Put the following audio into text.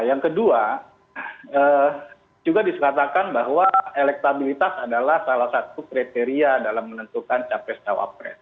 yang kedua juga dikatakan bahwa elektabilitas adalah salah satu kriteria dalam menentukan capres cawapres